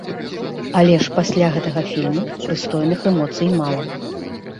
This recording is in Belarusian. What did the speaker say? Але ж пасля гэтага фільму прыстойных эмоцый мала.